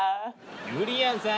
ゆりやんさん。